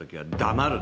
黙る！